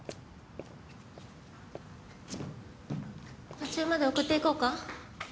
途中まで送っていこうか？